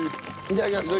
いただきます。